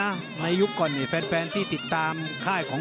อันสุกุวิทย์